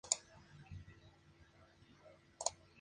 Bachiller del Colegio San Carlos de Bogotá.